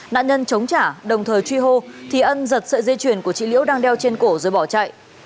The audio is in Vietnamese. nạn nhân chống trả đồng thời truy hô thì ân giật sợi dây chuyền của chị liễu đang đeo trên cổ rồi bỏ chạy